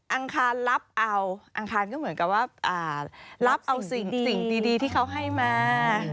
อังคารรับเอาอังคารก็เหมือนกับว่ารับเอาสิ่งดีที่เขาให้มา